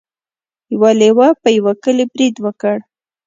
یو لیوه په یوه کلي برید وکړ.